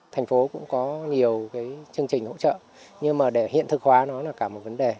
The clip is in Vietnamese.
thành phố cũng có nhiều cái chương trình hỗ trợ nhưng mà để hiện thực hóa nó là cả một vấn đề